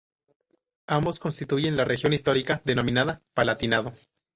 Ambos constituyen la región histórica denominada Palatinado.